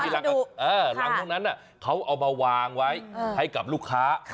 หลังตรงนั้นเขาเอามาวางไว้ให้กับลูกค้า